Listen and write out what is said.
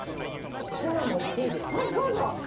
ツナもいっていいですか？